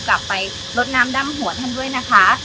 กลับไปลดน้ำด้ำหัวท่านด้วยนะคะ